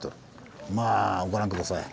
まあご覧下さい。